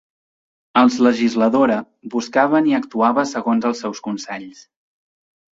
Els legisladora buscaven i actuava segons el seus consells.